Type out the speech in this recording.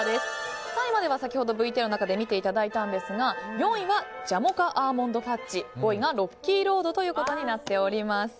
３位までは先ほどＶＴＲの中で見ていただいたんですが４位がジャモカアーモンドファッジ５位がロッキーロードとなっています。